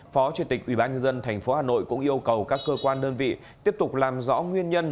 phó chủ tịch ubnd tp hà nội cũng yêu cầu các cơ quan đơn vị tiếp tục làm rõ nguyên nhân